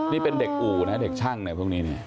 นี่เป็นเด็กอู่นะเด็กช่างพวกนี้